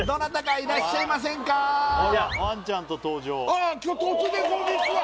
ああ突然こんにちは！